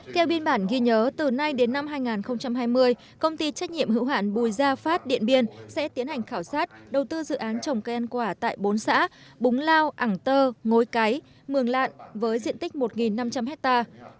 theo biên bản ghi nhớ từ nay đến năm hai nghìn hai mươi công ty trách nhiệm hữu hạn bùi gia phát điện biên sẽ tiến hành khảo sát đầu tư dự án trồng cây ăn quả tại bốn xã búng lao ảng tơ ngối cái mường lạn với diện tích một năm trăm linh hectare